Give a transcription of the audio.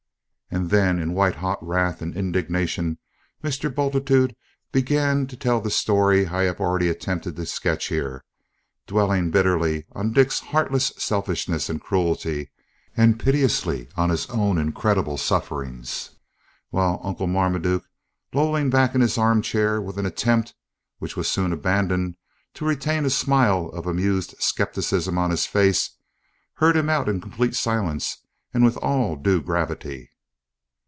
And then, in white hot wrath and indignation, Mr. Bultitude began to tell the story I have already attempted to sketch here, dwelling bitterly on Dick's heartless selfishness and cruelty, and piteously on his own incredible sufferings, while Uncle Marmaduke, lolling back in his armchair with an attempt (which was soon abandoned) to retain a smile of amused scepticism on his face, heard him out in complete silence and with all due gravity.